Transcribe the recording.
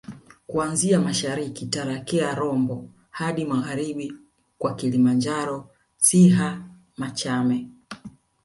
kuanzia mashariki Tarakea Rombo hadi magharibi kwa Kilimanjaro Siha Machame